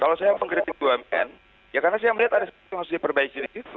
kalau saya mengkritik bumn ya karena saya melihat ada sesuatu yang harus diperbaiki di situ